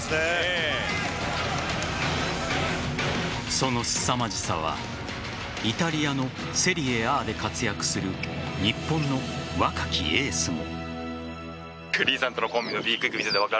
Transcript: そのすさまじさはイタリアのセリエＡで活躍する日本の若きエースも。